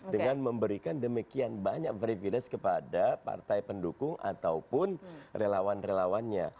dengan memberikan demikian banyak privilege kepada partai pendukung ataupun relawan relawannya